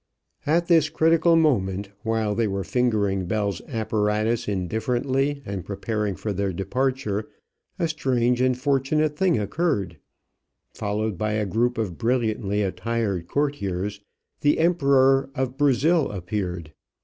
At this critical moment, while they were fingering Bell's apparatus indifferently and preparing for their departure, a strange and fortunate thing occurred. Followed by a group of brilliantly attired courtiers, the Emperor of Brazil appeared.